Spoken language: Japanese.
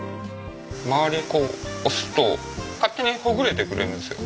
周りこう押すと勝手にほぐれてくれるんですよ。